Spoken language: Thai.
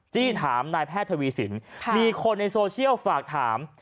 จี้ถามนายแพทย์ทวีสินมีคนในโซเชียลฝากถาม